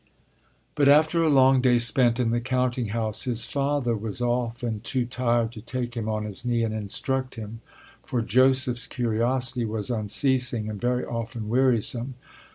But after a long day spent in the counting house his father was often too tired to take him on his knee and instruct him, for Joseph's curiosity was unceasing and very often wearisome.